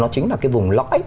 nó chính là cái vùng lõi